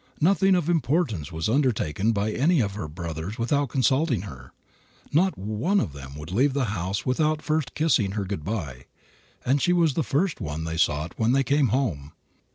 Nothing of importance was undertaken by any of her brothers without consulting her. Not one of them would leave the house without first kissing her good by, and she was the first one they sought when they came home.